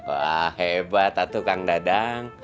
wah hebat itu kang dadang